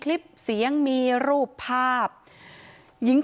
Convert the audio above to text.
ทรัพย์สินที่เป็นของฝ่ายหญิง